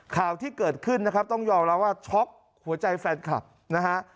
ข่าวที่เกิดขึ้นนะครับต้องยอมรับว่าช็อกหัวใจแฟนคลับนะฮะ